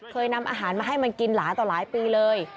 เคยนำอาหารมาให้มันกินหลายต่อหลายปีเลย